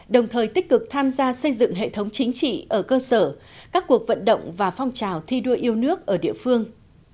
đồng thời tích cực tham gia xây dựng hệ thống chính trị ở cơ sở các cuộc vận động và phong trào thi đua yêu nước ở địa phương